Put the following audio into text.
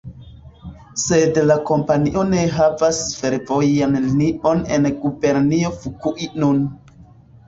Sed la kompanio ne havas fervojan linion en Gubernio Fukui nun.